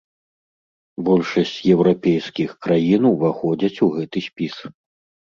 Большасць еўрапейскіх краін уваходзяць у гэты спіс.